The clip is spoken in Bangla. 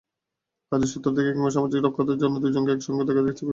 কাজের সূত্র ধরে কিংবা সামাজিকতা রক্ষার জন্য দুজনকে একসঙ্গে দেখা গেছে কয়েকবার।